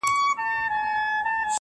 چا ویل؟ چي سوځم له انګار سره مي نه لګي!